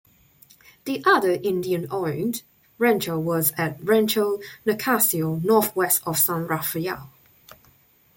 The other Indian-owned rancho was at "Rancho Nicasio" northwest of San Rafael.